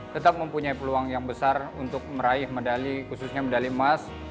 tetap mempunyai peluang yang besar untuk meraih medali khususnya medali emas